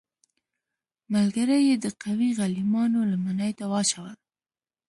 ملګري یې د قوي غلیمانو لمنې ته واچول.